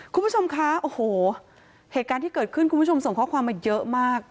คุณผู้ชมคะโอ้โหเหตุการณ์ที่เกิดขึ้นคุณผู้ชมส่งข้อความมาเยอะมาก